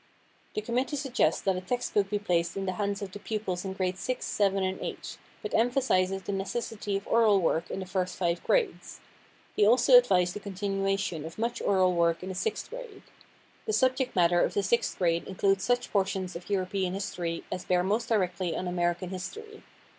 The committee suggests that a text book be placed in the hands of the pupils in grades six, seven and eight, but emphasizes the necessity of oral work in the first five grades. They also advise the continuation of much oral work in the sixth grade. The subject matter of the sixth grade includes such portions of European history as bear most directly on American history.